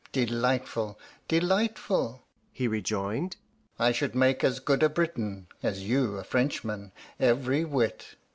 "Delightful! delightful!" he rejoined. "I should make as good a Briton as you a Frenchman, every whit."